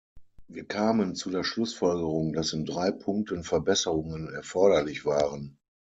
Wir kamen zu der Schlussfolgerung, dass in drei Punkten Verbesserungen erforderlich waren.